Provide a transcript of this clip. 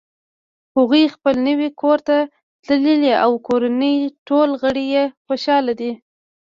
هغوی خپل نوی کور ته تللي او د کورنۍ ټول غړ یی خوشحاله دي